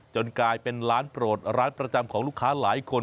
กลายเป็นร้านโปรดร้านประจำของลูกค้าหลายคน